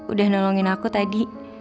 udah nolongin aku tadi